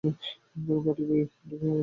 পা টিপে টিপে আগাচ্ছে কেন?